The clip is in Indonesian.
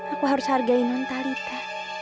aku harus hargainan talita